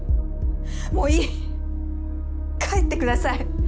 もういい帰ってください。